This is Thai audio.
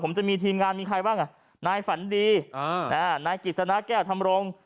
ผมจะมีทีมงานมีใครบ้างอ่ะนายฝันดีนายกิจสนาแก้วธรรมรงค์